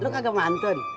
kau mau ke mantun